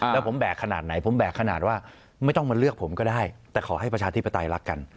แล้วผมแบกขนาดไหนผมแบกขนาดว่าไม่ต้องมาเลือกผมก็ได้แต่ขอให้ประชาธิปไตยรักกัน